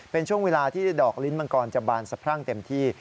เป็นช่วงเวลาที่ดอกลิ้นมังกรจะบานสะพรั่งเต็มที่